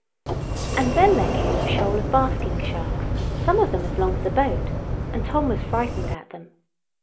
And then there came a shoal of basking sharks' some of them as long as a boat, and Tom was frightened at them.